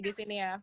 di sini ya